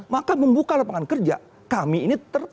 maka membuka lapangan kerja kami ini